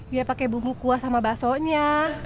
iya pakai bumbu kuah sama basonya